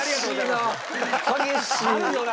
激しいな！